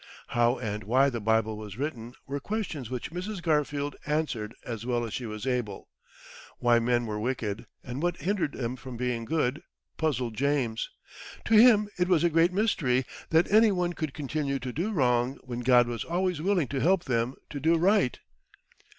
How and why the Bible was written, were questions which Mrs. Garfield answered as well as she was able. Why men were wicked, and what hindered them from being good, puzzled James. To him it was a great mystery that any one could continue to do wrong when God was always willing to help them to do right.